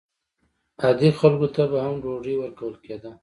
عادي خلکو ته به هم ډوډۍ ورکول کېده.